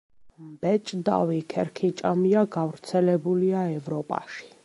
მბეჭდავი ქერქიჭამია გავრცელებულია ევროპაში.